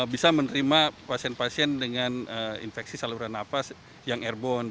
bisa menerima pasien pasien dengan infeksi saluran nafas yang airborne